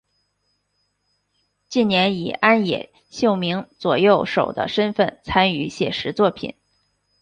近年以庵野秀明左右手的身份参与写实作品。